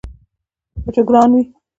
که په چا ځان ګران وي